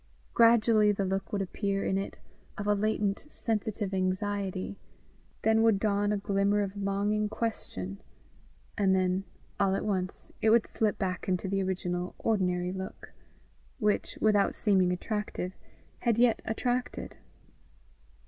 Gradually the look would appear in it of a latent sensitive anxiety then would dawn a glimmer of longing question; and then, all at once, it would slip back into the original ordinary look, which, without seeming attractive, had yet attracted.